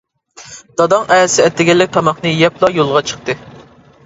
داداڭ ئەتىسى ئەتىگەنلىك تاماقنى يەپلا يولغا چىقتى.